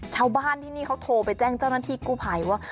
ชาวบ้านที่นี่เขาโทรไปแจ้งเจ้าหน้าที่กู้ภัยว่า